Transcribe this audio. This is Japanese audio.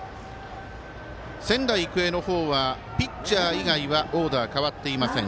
仙台育英の方はピッチャー以外はオーダー変わっていません。